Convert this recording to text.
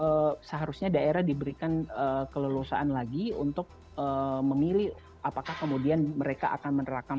jadi saya kira itu artinya seharusnya daerah diberikan kelelosaan lagi untuk memilih apakah kemudian mereka akan menerapkan pajak ini